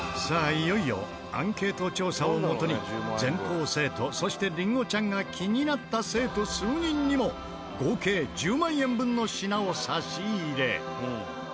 いよいよアンケート調査をもとに全校生徒そしてりんごちゃんが気になった生徒数人にも合計１０万円分の品を差し入れ。